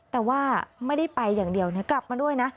แต่ว่าไม่ได้ไปอย่างเดียวนะกลับมาด้วยนะ